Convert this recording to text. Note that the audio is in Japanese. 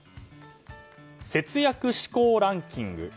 節約志向ランキング。